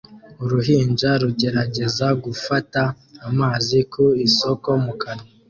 Uruhinja rugerageza gufata amazi ku isoko mu kanwa